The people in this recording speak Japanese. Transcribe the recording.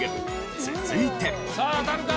続いて。